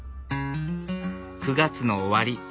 ９月の終わり。